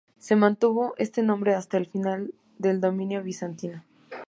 Se mantuvo este nombre hasta el final del dominio bizantino.